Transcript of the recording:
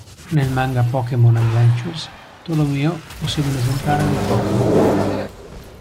Nel manga "Pokémon Adventures", Tolomeo possiede un esemplare del Pokémon.